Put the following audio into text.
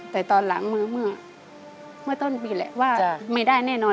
แต่ตอนหลังเมื่อต้นปีแหละว่าไม่ได้แน่นอน